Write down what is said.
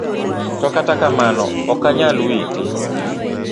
To kata kamano okanyal witi.